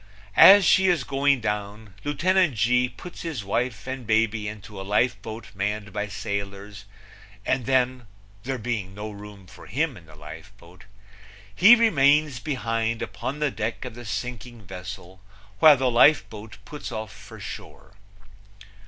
As she is going down Lieutenant G puts his wife and baby into a lifeboat manned by sailors, and then there being no room for him in the lifeboat he remains behind upon the deck of the sinking vessel, while the lifeboat puts off for shore.